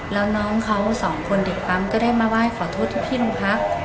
แล้วน้องเขาสองคนเด็กปั๊มก็ได้มาไหว้ขอโทษทุกที่โรงพัก